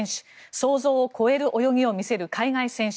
想像を超える泳ぎを見せる海外選手。